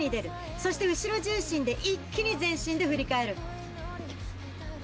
そして後ろ重心で一気に全身で振り返る。